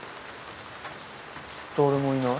誰もいない。